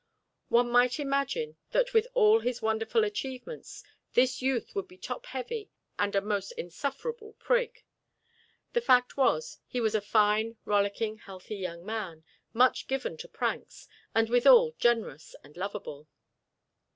One might imagine that with all his wonderful achievements this youth would be top heavy and a most insufferable prig. The fact was, he was a fine, rollicking, healthy young man much given to pranks, and withal generous and lovable.